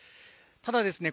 ただですね